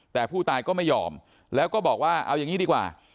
แต่ผู้ตายก็ไม่ยอมแล้วก็บอกว่าเอาอย่างนี้ดีกว่า